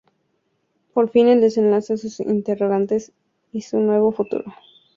Por fin el desenlace a sus interrogantes y su nuevo futuro.